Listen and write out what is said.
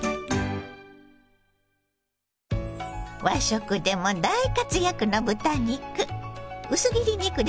和食でも大活躍の豚肉。